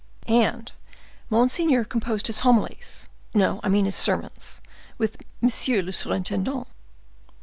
"And monseigneur composed his homilies—no, I mean his sermons—with monsieur le surintendant."